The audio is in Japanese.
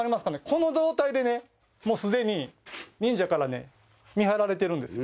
この状態でもうすでに忍者から見張られてるんです。